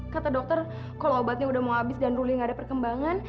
kata dokter kalo obatnya udah mau abis dan ruli gak ada perkembangan